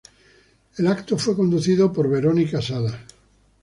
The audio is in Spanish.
El evento fue conducido por Verónica Salas.